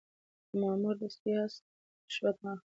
که مامور یاست رشوت مه اخلئ.